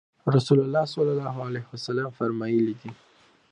رسول الله صلی الله عليه وسلم فرمایلي دي: